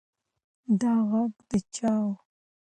دا غږ د چا و؟